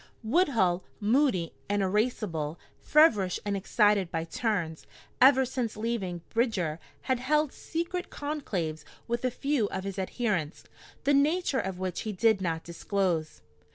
Woodhull, moody and irascible, feverish and excited by turns, ever since leaving Bridger had held secret conclaves with a few of his adherents, the nature of which he did not disclose.